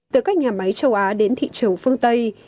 từ các nhà máy châu á đến thị trường phương tây